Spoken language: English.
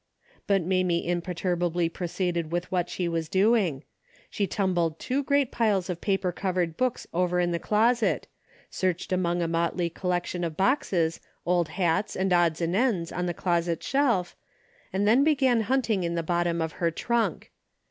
But Mamie imperturbably proceeded with what she was doing. She tumbled two great piles of paper covered books over in the closet, searched among a motley collection of boxes, old hats and odds and ends on the closet shelf, and then began hunting in the bottom of her trunk.